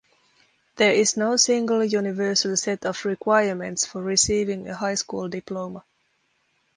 There is no single, universal set of requirements for receiving a high school diploma.